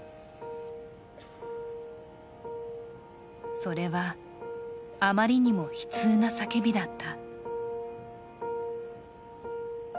それはあまりにも悲痛な叫びだった。